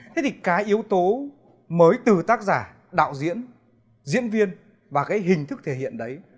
thế thì cái yếu tố mới từ tác giả đạo diễn diễn viên và cái hình thức thể hiện đấy